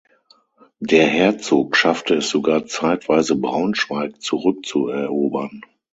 Der Herzog schaffte es sogar zeitweise Braunschweig zurückzuerobern.